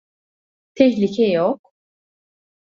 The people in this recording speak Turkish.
Tehlike yok.